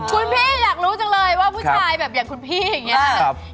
คุณพี่อยากรู้จังเลยว่าผู้ชายแบบอย่างคุณพี่อย่างนี้